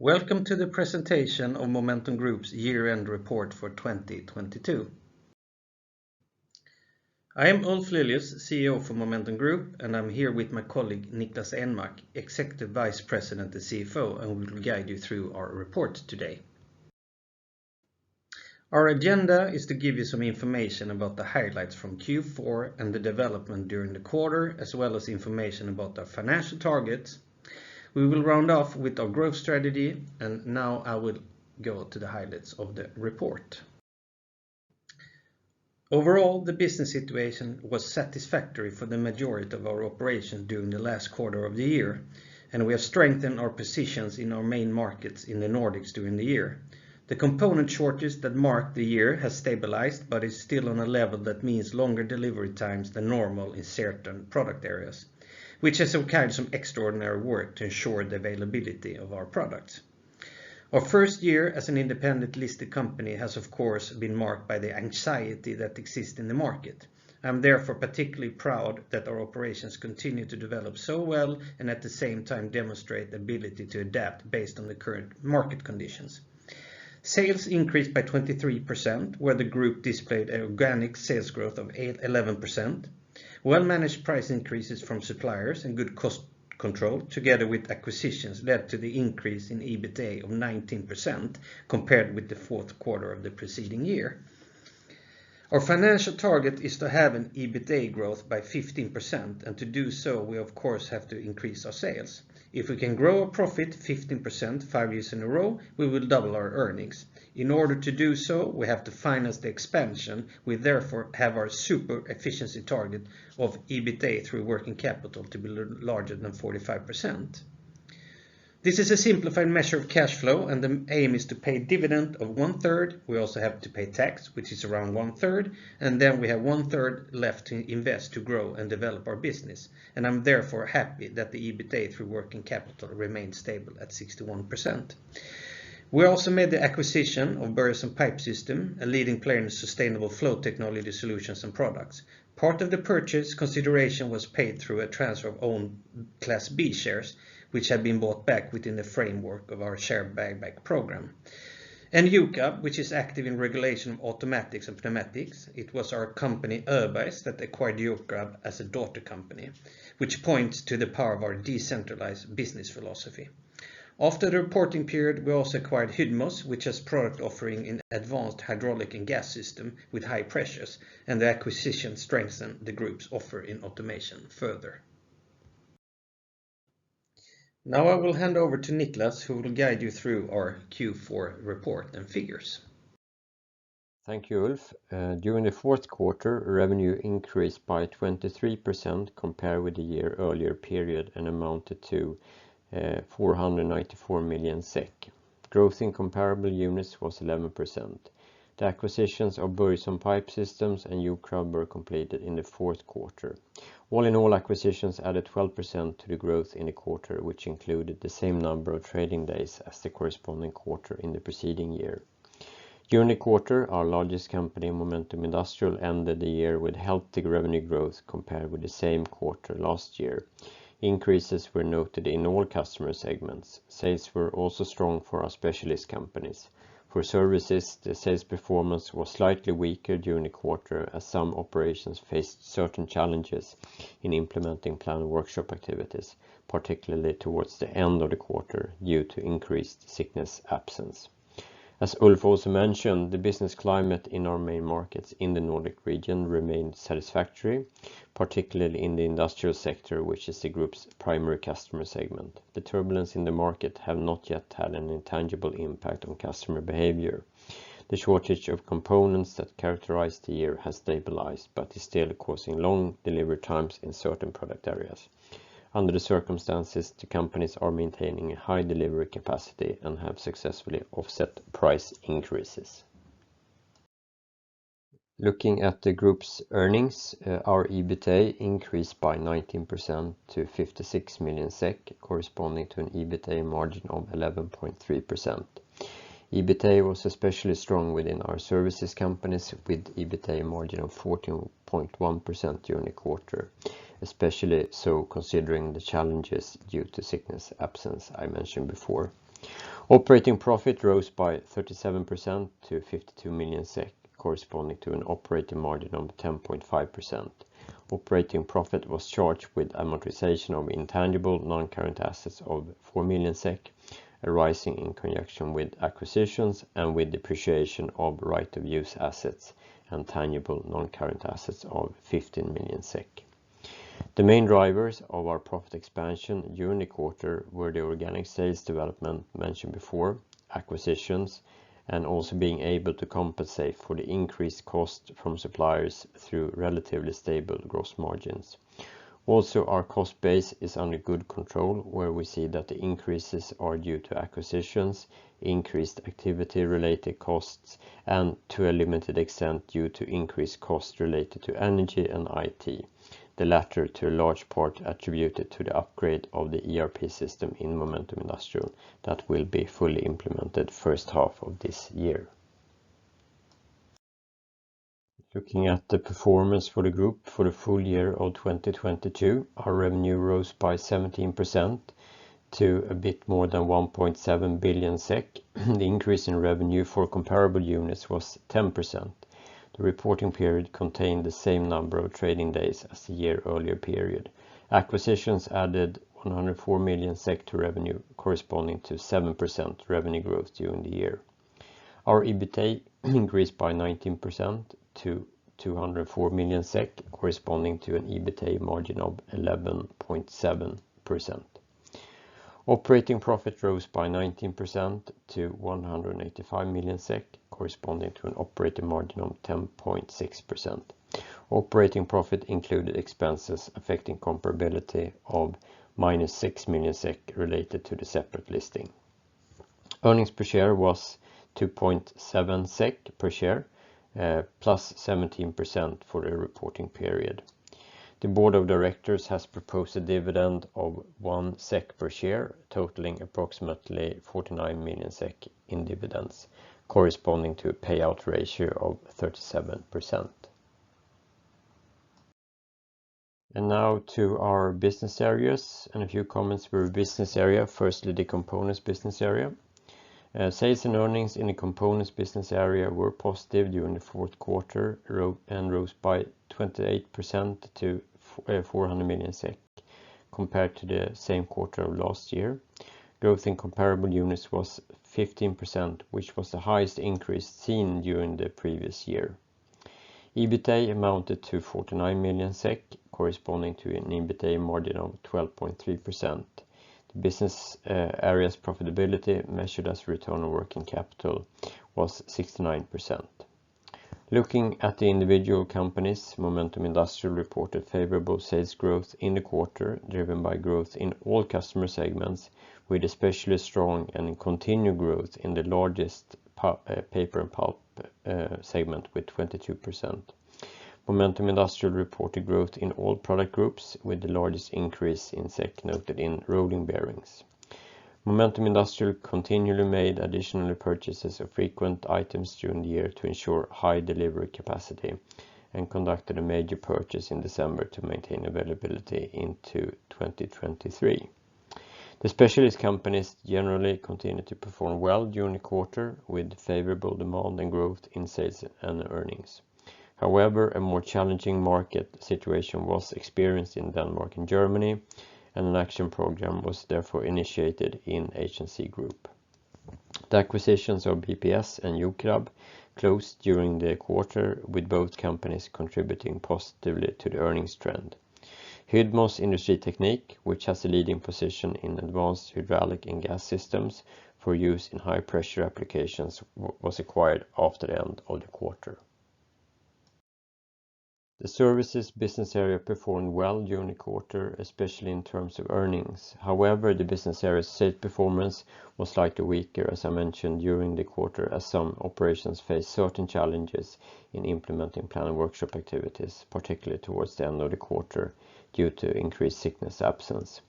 Welcome to the presentation of Momentum Group's year-end report for 2022. I am Ulf Lilius, CEO for Momentum Group. I'm here with my colleague Niklas Enmark, Executive Vice President and CFO. We will guide you through our report today. Our agenda is to give you some information about the highlights from Q4 and the development during the quarter, as well as information about our financial targets. We will round off with our growth strategy. Now I will go to the highlights of the report. Overall, the business situation was satisfactory for the majority of our operations during the last quarter of the year. We have strengthened our positions in our main markets in the Nordics during the year. The component shortage that marked the year has stabilized. Is still on a level that means longer delivery times than normal in certain product areas, which has required some extraordinary work to ensure the availability of our products. Our first year as an independent listed company has, of course, been marked by the anxiety that exists in the market. I'm therefore particularly proud that our operations continue to develop so well and at the same time demonstrate the ability to adapt based on the current market conditions. Sales increased by 23%, where the group displayed organic sales growth of 11%. Well-managed price increases from suppliers and good cost control together with acquisitions led to the increase in EBITA of 19% compared with the fourth quarter of the preceding year. Our financial target is to have an EBITA growth by 15%. To do so, we of course have to increase our sales. If we can grow a profit 15% 5 years in a row, we will double our earnings. In order to do so, we have to finance the expansion. We therefore have our super efficiency target of EBITA through working capital to be larger than 45%. This is a simplified measure of cash flow. The aim is to pay dividend of 1/3. We also have to pay tax, which is around 1/3. Then we have 1/3 left to invest to grow and develop our business. I'm therefore happy that the EBITA through working capital remains stable at 61%. We also made the acquisition of Börjesson Pipe Systems, a leading player in sustainable flow technology solutions and products. Part of the purchase consideration was paid through a transfer of owned Class B shares, which had been bought back within the framework of our share buyback program. JOKRAB, which is active in regulation of automatics and pneumatics, it was our company, Öbergs, that acquired JOKRAB as a daughter company, which points to the power of our decentralized business philosophy. After the reporting period, we also acquired Hydmos, which has product offering in advanced hydraulic and gas system with high pressures, and the acquisition strengthened the group's offer in automation further. Now I will hand over to Niklas, who will guide you through our Q4 report and figures. Thank you, Ulf Lilius. During the fourth quarter, revenue increased by 23% compared with the year earlier period and amounted to 494 million SEK. Growth in comparable units was 11%. The acquisitions of Börjesson Pipe Systems and HNC Group were completed in the fourth quarter. All in all, acquisitions added 12% to the growth in the quarter, which included the same number of trading days as the corresponding quarter in the preceding year. During the quarter, our largest company, Momentum Industrial, ended the year with healthy revenue growth compared with the same quarter last year. Increases were noted in all customer segments. Sales were also strong for our specialist companies. For services, the sales performance was slightly weaker during the quarter, as some operations faced certain challenges in implementing planned workshop activities, particularly towards the end of the quarter due to increased sickness absence. As Ulf also mentioned, the business climate in our main markets in the Nordic region remained satisfactory, particularly in the industrial sector, which is the group's primary customer segment. The turbulence in the market have not yet had an intangible impact on customer behavior. The shortage of components that characterized the year has stabilized but is still causing long delivery times in certain product areas. Under the circumstances, the companies are maintaining high delivery capacity and have successfully offset price increases. Looking at the group's earnings, our EBITA increased by 19% to 56 million SEK, corresponding to an EBITA margin of 11.3%. EBITA was especially strong within our services companies, with EBITA margin of 14.1% during the quarter, especially so considering the challenges due to sickness absence I mentioned before. Operating profit rose by 37% to 52 million SEK, corresponding to an operating margin of 10.5%. Operating profit was charged with amortization of intangible non-current assets of 4 million SEK, arising in connection with acquisitions and with depreciation of right-to-use assets and tangible non-current assets of 15 million SEK. The main drivers of our profit expansion during the quarter were the organic sales development mentioned before, acquisitions, and also being able to compensate for the increased cost from suppliers through relatively stable gross margins. Our cost base is under good control, where we see that the increases are due to acquisitions, increased activity-related costs, and to a limited extent due to increased costs related to energy and IT. The latter, to a large part, attributed to the upgrade of the ERP system in Momentum Industrial that will be fully implemented first half of this year. Looking at the performance for the group for the full year of 2022, our revenue rose by 17% to a bit more than 1.7 billion SEK. The increase in revenue for comparable units was 10%. The reporting period contained the same number of trading days as the year earlier period. Acquisitions added 104 million to revenue, corresponding to 7% revenue growth during the year. Our EBITA increased by 19% to 204 million SEK, corresponding to an EBITA margin of 11.7%. Operating profit rose by 19% to 185 million SEK, corresponding to an operating margin of 10.6%. Operating profit included expenses affecting comparability of minus 6 million SEK related to the separate listing. Earnings per share was 2.7 SEK per share, plus 17% for the reporting period. The board of directors has proposed a dividend of 1 SEK per share, totaling approximately 49 million SEK in dividends, corresponding to a payout ratio of 37%. Now to our business areas, and a few comments for business area, firstly, the components business area. Sales and earnings in the components business area were positive during the fourth quarter, and rose by 28% to 400 million SEK compared to the same quarter of last year. Growth in comparable units was 15%, which was the highest increase seen during the previous year. EBITA amounted to 49 million SEK, corresponding to an EBITA margin of 12.3%. The business area's profitability, measured as return on working capital, was 69%. Looking at the individual companies, Momentum Industrial reported favorable sales growth in the quarter, driven by growth in all customer segments, with especially strong and continued growth in the largest paper and pulp segment with 22%. Momentum Industrial reported growth in all product groups, with the largest increase in SEK noted in rolling bearings. Momentum Industrial continually made additional purchases of frequent items during the year to ensure high delivery capacity, and conducted a major purchase in December to maintain availability into 2023. The specialist companies generally continued to perform well during the quarter, with favorable demand and growth in sales and earnings. A more challenging market situation was experienced in Denmark and Germany, and an action program was therefore initiated in HNC Group. The acquisitions of BPS and HNC-Group closed during the quarter, with both companies contributing positively to the earnings trend. Hydmos Industriteknik, which has a leading position in advanced hydraulic and gas systems for use in high-pressure applications, was acquired after the end of the quarter. The services business area performed well during the quarter, especially in terms of earnings. The business area's sales performance was slightly weaker, as I mentioned during the quarter, as some operations faced certain challenges in implementing planned workshop activities, particularly towards the end of the quarter due to increased sickness absence.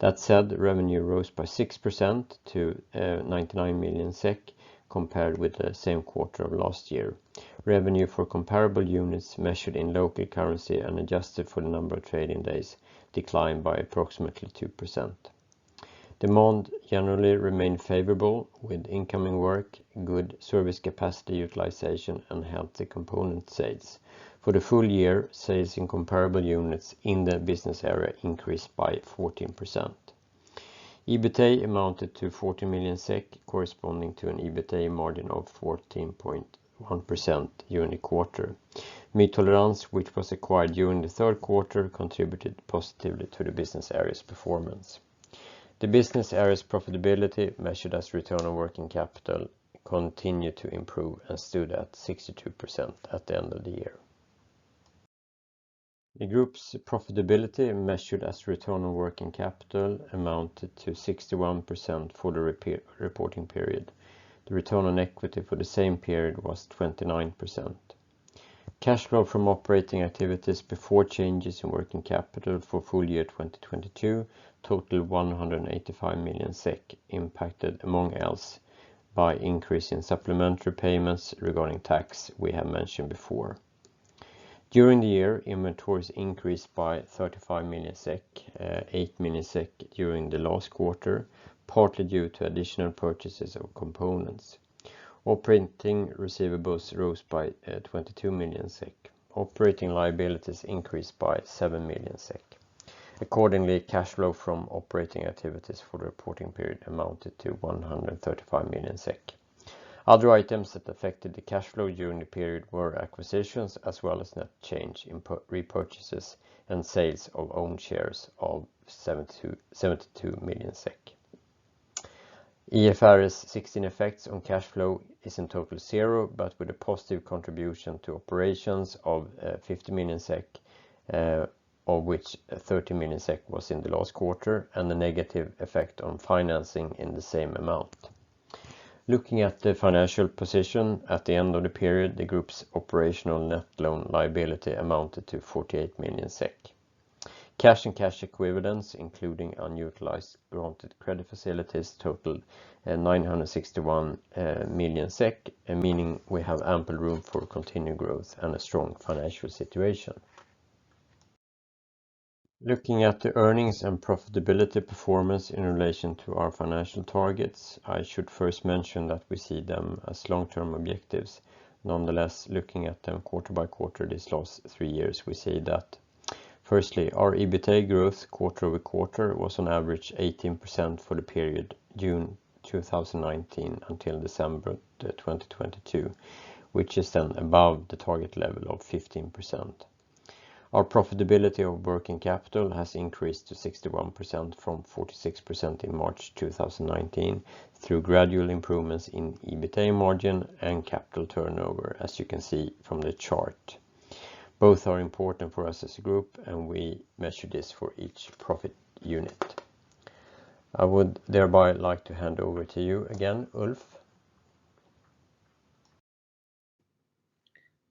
Revenue rose by 6% to 99 million SEK compared with the same quarter of last year. Revenue for comparable units measured in local currency and adjusted for the number of trading days declined by approximately 2%. Demand generally remained favorable with incoming work, good service capacity utilization, and healthy component sales. For the full year, sales in comparable units in the business area increased by 14%. EBITA amounted to 40 million SEK, corresponding to an EBITA margin of 14.1% during the quarter. Mytolerans, which was acquired during the third quarter, contributed positively to the business area's performance. The business area's profitability, measured as return on working capital, continued to improve and stood at 62% at the end of the year. The group's profitability, measured as return on working capital, amounted to 61% for the reporting period. The return on equity for the same period was 29%. Cash flow from operating activities before changes in working capital for full year 2022 totaled 185 million SEK, impacted among else by increase in supplementary payments regarding tax we have mentioned before. During the year, inventories increased by 35 million SEK, 8 million SEK during the last quarter, partly due to additional purchases of components. Operating receivables rose by 22 million SEK. Operating liabilities increased by 7 million SEK. Accordingly, cash flow from operating activities for the reporting period amounted to 135 million SEK. Other items that affected the cash flow during the period were acquisitions, as well as net change in repurchases and sales of own shares of 72 million SEK. IFRS 16 effects on cash flow is in total 0, but with a positive contribution to operations of 50 million SEK, of which 30 million SEK was in the last quarter, and a negative effect on financing in the same amount. Looking at the financial position at the end of the period, the group's operational net loan liability amounted to 48 million SEK. Cash and cash equivalents, including unutilized granted credit facilities totaled 961 million SEK, meaning we have ample room for continued growth and a strong financial situation. Looking at the earnings and profitability performance in relation to our financial targets, I should first mention that we see them as long-term objectives. Looking at them quarter by quarter these last three years, we see that firstly, our EBITA growth quarter-over-quarter was on average 18% for the period June 2019 until December 2022, which is then above the target level of 15%. Our profitability of working capital has increased to 61% from 46% in March 2019 through gradual improvements in EBITA margin and capital turnover, as you can see from the chart. Both are important for us as a group. We measure this for each profit unit. I would thereby like to hand over to you again, Ulf.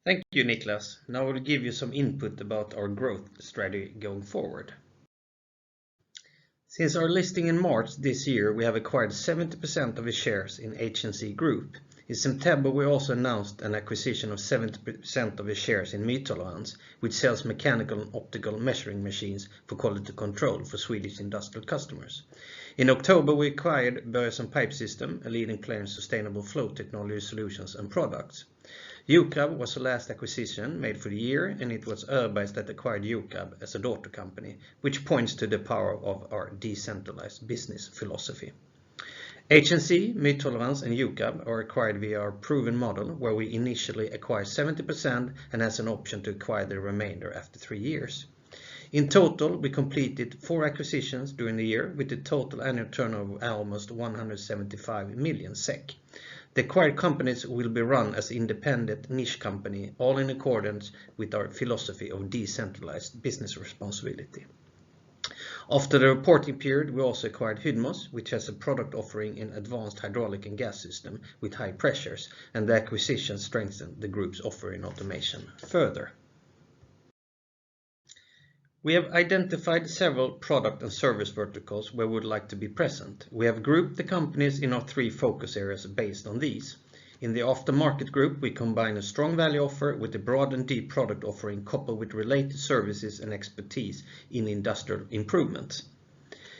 Thank you, Niklas. I will give you some input about our growth strategy going forward. Since our listing in March this year, we have acquired 70% of the shares in HNC Group. In September, we also announced an acquisition of 70% of the shares in Mytolerans, which sells mechanical and optical measuring machines for quality control for Swedish industrial customers. In October, we acquired Börjesson Pipe Systems, a leading player in sustainable flow technology solutions and products. JOKRAB was the last acquisition made for the year. It was Öbergs that acquired JOKRAB as a daughter company, which points to the power of our decentralized business philosophy. HNC, Mytolerans, and JOKRAB are acquired via our proven model, where we initially acquire 70% and has an option to acquire the remainder after three years. In total, we completed four acquisitions during the year with a total annual turnover of almost 175 million SEK. The acquired companies will be run as independent niche company, all in accordance with our philosophy of decentralized business responsibility. After the reporting period, we also acquired Hydmos, which has a product offering in advanced hydraulic and gas system with high pressures, and the acquisition strengthened the Group's offer in automation further. We have identified several product and service verticals where we would like to be present. We have grouped the companies in our three focus areas based on these. In the after-market group, we combine a strong value offer with a broad and deep product offering coupled with related services and expertise in industrial improvements.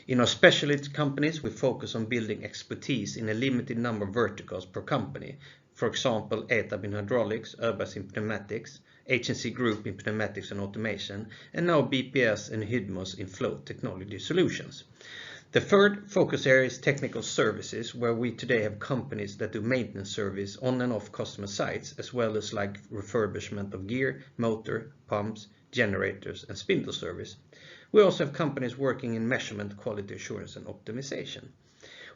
In our specialist companies, we focus on building expertise in a limited number of verticals per company. For example, ETAB in hydraulics, Öbergs in pneumatics, HNC Group in pneumatics and automation, and now BPS and Hydmos in flow technology solutions. The third focus area is technical services, where we today have companies that do maintenance service on and off customer sites, as well as like refurbishment of gear, motor, pumps, generators, and spindle service. We also have companies working in measurement, quality assurance, and optimization.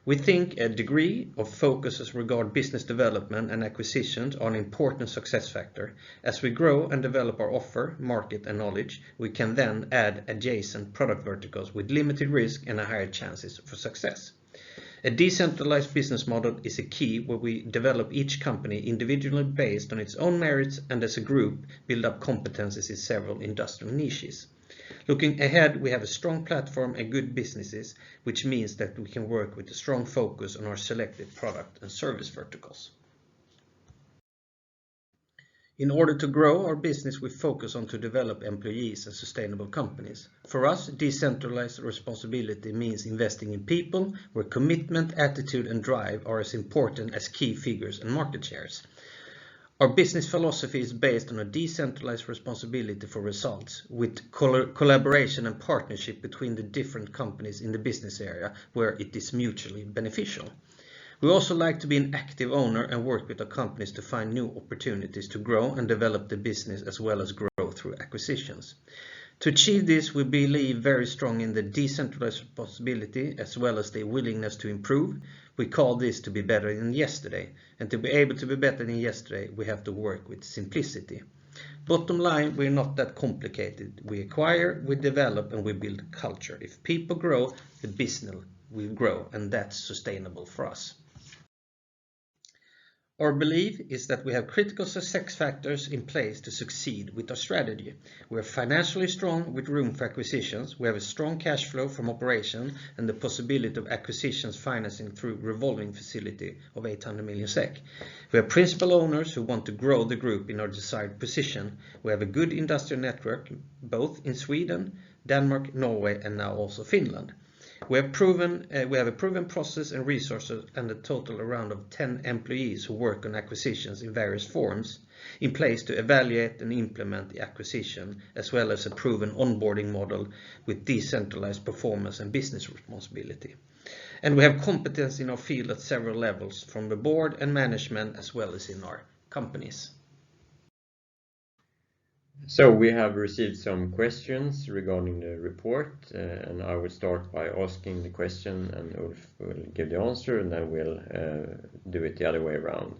We think a degree of focus as regard business development and acquisitions are an important success factor. As we grow and develop our offer, market, and knowledge, we can then add adjacent product verticals with limited risk and a higher chances for success. A decentralized business model is a key where we develop each company individually based on its own merits, and as a group, build up competencies in several industrial niches. Looking ahead, we have a strong platform and good businesses, which means that we can work with a strong focus on our selected product and service verticals. In order to grow our business, we focus on to develop employees and sustainable companies. For us, decentralized responsibility means investing in people, where commitment, attitude, and drive are as important as key figures and market shares. Our business philosophy is based on a decentralized responsibility for results with collaboration and partnership between the different companies in the business area where it is mutually beneficial. We also like to be an active owner and work with our companies to find new opportunities to grow and develop the business, as well as grow through acquisitions. To achieve this, we believe very strong in the decentralized responsibility as well as the willingness to improve. We call this to be better than yesterday. To be able to be better than yesterday, we have to work with simplicity. Bottom line, we're not that complicated. We acquire, we develop, and we build culture. If people grow, the business will grow, and that's sustainable for us. Our belief is that we have critical success factors in place to succeed with our strategy. We are financially strong with room for acquisitions. We have a strong cash flow from operations and the possibility of acquisitions financing through revolving facility of 800 million SEK. We are principal owners who want to grow the group in our desired position. We have a good industrial network both in Sweden, Denmark, Norway, and now also Finland. We have proven, we have a proven process and resources and a total around of 10 employees who work on acquisitions in various forms in place to evaluate and implement the acquisition, as well as a proven onboarding model with decentralized performance and business responsibility. We have competence in our field at several levels, from the board and management as well as in our companies. We have received some questions regarding the report, and I will start by asking the question and Ulf will give the answer, and then we'll do it the other way around.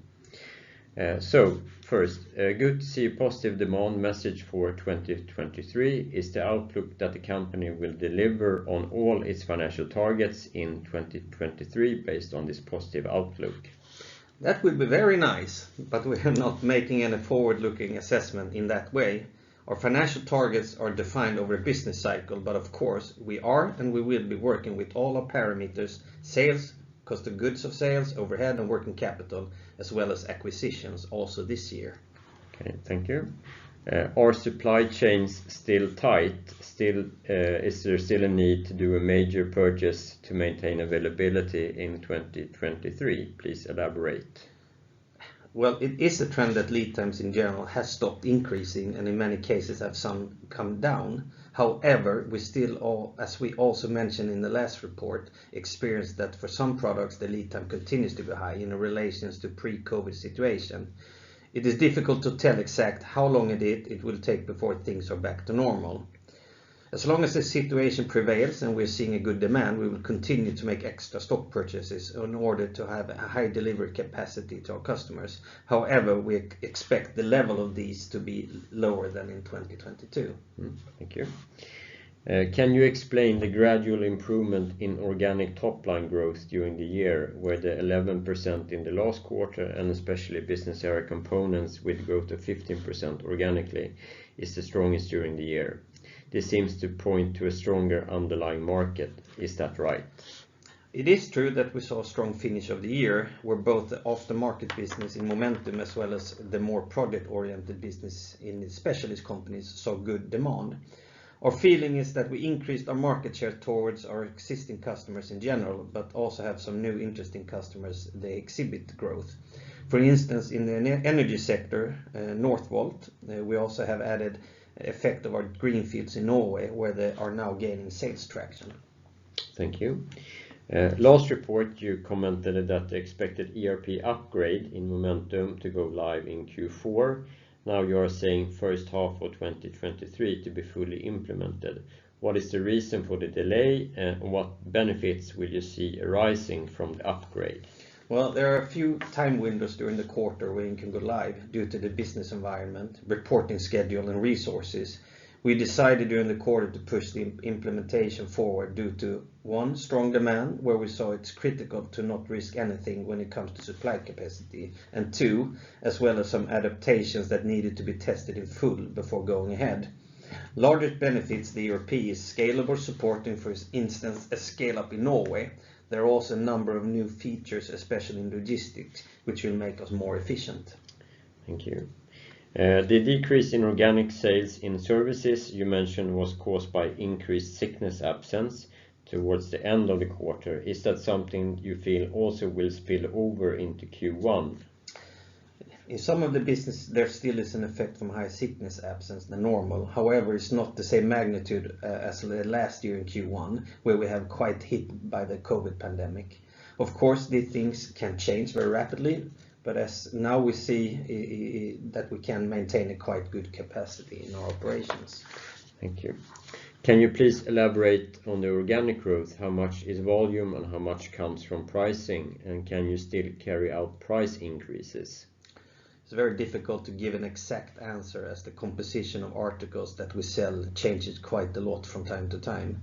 First, good to see a positive demand message for 2023. Is the outlook that the company will deliver on all its financial targets in 2023 based on this positive outlook? That would be very nice, but we are not making any forward-looking assessment in that way. Our financial targets are defined over a business cycle. Of course we are, and we will be working with all our parameters, sales, cost of goods of sales, overhead, and working capital, as well as acquisitions also this year. Okay, thank you. Are supply chains still tight? Still, is there still a need to do a major purchase to maintain availability in 2023? Please elaborate. It is a trend that lead times in general have stopped increasing, and in many cases have some come down. However, we still all, as we also mentioned in the last report, experienced that for some products, the lead time continues to be high in relation to pre-COVID situation. It is difficult to tell exactly how long it will take before things are back to normal. As long as the situation prevails and we're seeing a good demand, we will continue to make extra stock purchases in order to have a high delivery capacity to our customers. However, we expect the level of these to be lower than in 2022. Thank you. Can you explain the gradual improvement in organic top line growth during the year, where the 11% in the last quarter and especially business area components with growth of 15% organically is the strongest during the year? This seems to point to a stronger underlying market. Is that right? It is true that we saw a strong finish of the year, where both the off the market business in Momentum as well as the more project-oriented business in the specialist companies saw good demand. Our feeling is that we increased our market share towards our existing customers in general, but also have some new interesting customers, they exhibit growth. For instance, in the energy sector, Northvolt, we also have added effect of our greenfields in Norway, where they are now gaining sales traction. Thank you. Last report you commented that the expected ERP upgrade in Momentum to go live in Q4. Now you are saying first half of 2023 to be fully implemented. What is the reason for the delay, and what benefits will you see arising from the upgrade? There are a few time windows during the quarter we can go live due to the business environment, reporting schedule and resources. We decided during the quarter to push the implementation forward due to, one, strong demand, where we saw it's critical to not risk anything when it comes to supply capacity. two, as well as some adaptations that needed to be tested in full before going ahead. Largest benefits, the ERP is scalable, supporting, for instance, a scale-up in Norway. There are also a number of new features, especially in logistics, which will make us more efficient. Thank you. The decrease in organic sales in services you mentioned was caused by increased sickness absence towards the end of the quarter. Is that something you feel also will spill over into Q1? In some of the business, there still is an effect from high sickness absence than normal. However, it's not the same magnitude as the last year in Q1, where we have quite hit by the COVID pandemic. These things can change very rapidly, but as now we see that we can maintain a quite good capacity in our operations. Thank you. Can you please elaborate on the organic growth? How much is volume and how much comes from pricing, and can you still carry out price increases? It's very difficult to give an exact answer as the composition of articles that we sell changes quite a lot from time to time,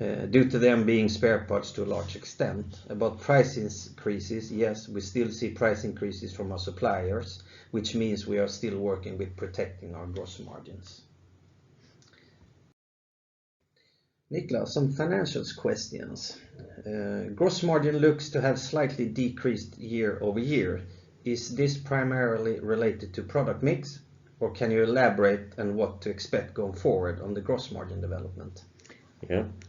due to them being spare parts to a large extent. About price increases, yes, we still see price increases from our suppliers, which means we are still working with protecting our gross margins. Niklas, some financials questions. Gross margin looks to have slightly decreased year-over-year. Is this primarily related to product mix, or can you elaborate on what to expect going forward on the gross margin development?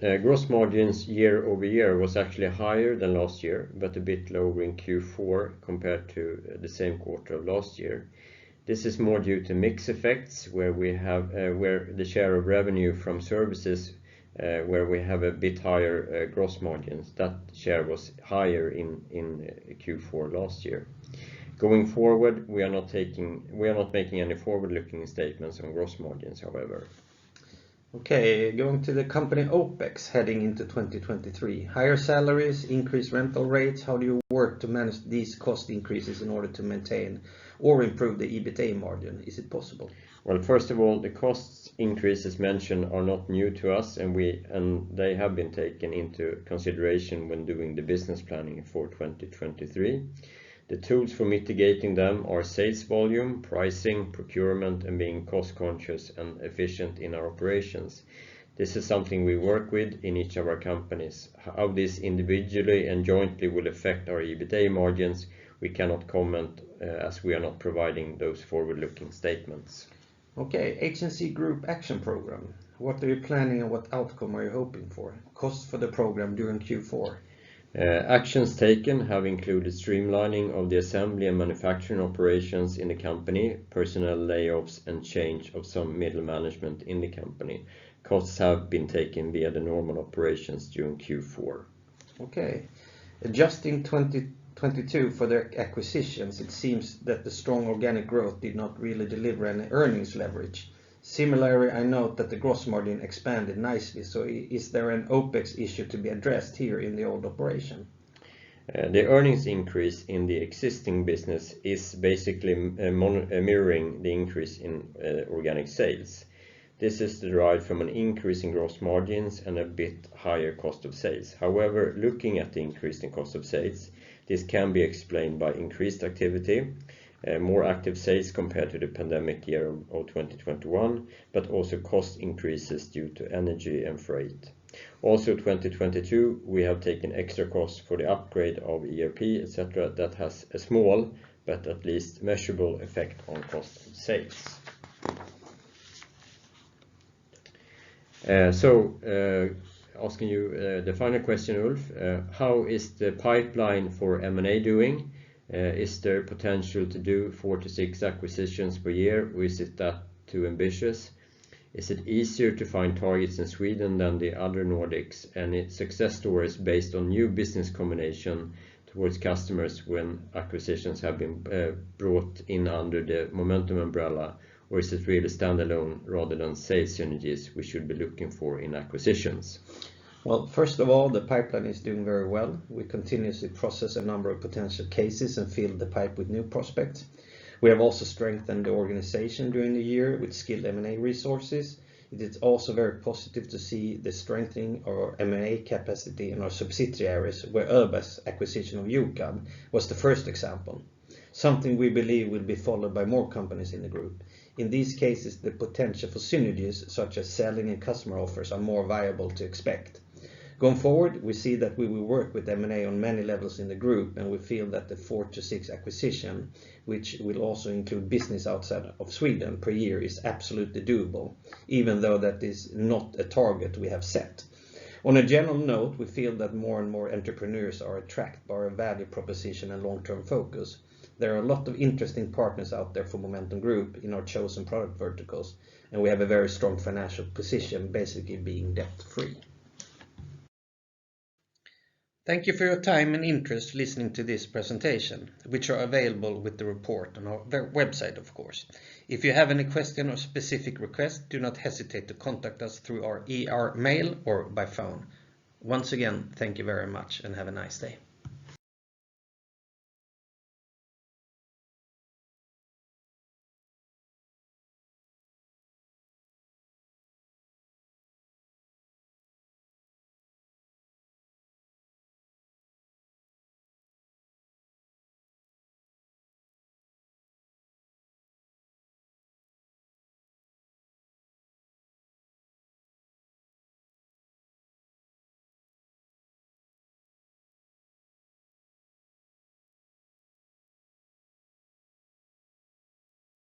Gross margins year-over-year was actually higher than last year, but a bit lower in Q4 compared to the same quarter of last year. This is more due to mix effects, where we have, where the share of revenue from services, where we have a bit higher gross margins. That share was higher in Q4 last year. Going forward, we are not making any forward-looking statements on gross margins, however. Okay, going to the company OpEx heading into 2023. Higher salaries, increased rental rates. How do you work to manage these cost increases in order to maintain or improve the EBITA margin? Is it possible? Well, first of all, the costs increases mentioned are not new to us, and they have been taken into consideration when doing the business planning for 2023. The tools for mitigating them are sales volume, pricing, procurement, and being cost conscious and efficient in our operations. This is something we work with in each of our companies. How this individually and jointly will affect our EBITA margins, we cannot comment, as we are not providing those forward-looking statements. Okay, HNC Group Action Program. What are you planning and what outcome are you hoping for? Cost for the program during Q4? Actions taken have included streamlining of the assembly and manufacturing operations in the company, personnel layoffs and change of some middle management in the company. Costs have been taken via the normal operations during Q4. Adjusting 2022 for the acquisitions, it seems that the strong organic growth did not really deliver any earnings leverage. I note that the gross margin expanded nicely. Is there an OpEx issue to be addressed here in the old operation? The earnings increase in the existing business is basically mirroring the increase in organic sales. This is derived from an increase in gross margins and a bit higher cost of sales. Looking at the increase in cost of sales, this can be explained by increased activity, more active sales compared to the pandemic year of 2021, but also cost increases due to energy and freight. 2022, we have taken extra costs for the upgrade of ERP, et cetera, that has a small but at least measurable effect on cost of sales. Asking you the final question, Ulf. How is the pipeline for M&A doing? Is there potential to do four to six acquisitions per year or is it that too ambitious? Is it easier to find targets in Sweden than the other Nordics? Any success stories based on new business combination towards customers when acquisitions have been brought in under the Momentum umbrella or is it really standalone rather than sales synergies we should be looking for in acquisitions? First of all, the pipeline is doing very well. We continuously process a number of potential cases and fill the pipe with new prospects. We have also strengthened the organization during the year with skilled M&A resources. It is also very positive to see the strengthening of our M&A capacity in our subsidiary areas where Öbergs acquisition of JOKRAB was the first example, something we believe will be followed by more companies in the group. In these cases, the potential for synergies such as selling and customer offers are more viable to expect. Going forward, we see that we will work with M&A on many levels in the group, and we feel that the four-six acquisition, which will also include business outside of Sweden per year, is absolutely doable even though that is not a target we have set. On a general note, we feel that more and more entrepreneurs are attracted by our value proposition and long-term focus. There are a lot of interesting partners out there for Momentum Group in our chosen product verticals, and we have a very strong financial position, basically being debt-free. Thank you for your time and interest listening to this presentation, which are available with the report on our website, of course. If you have any question or specific request, do not hesitate to contact us through our IR mail or by phone. Once again, thank you very much and have a nice day.